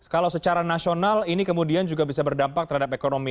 kalau secara nasional ini kemudian juga bisa berdampak terhadap ekonomi